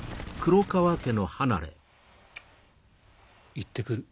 いってくる。